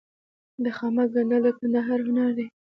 د خامک ګنډل د کندهار هنر دی.